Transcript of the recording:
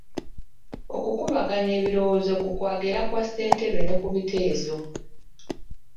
Okukubaganya ebirowoozo ku kwagera kwa ssentebe ne ku biteeso